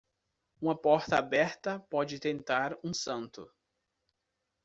Uma porta aberta pode tentar um santo.